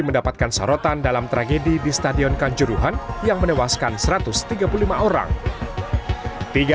mendapatkan sorotan dalam tragedi di stadion kanjuruhan yang menewaskan satu ratus tiga puluh lima orang tiga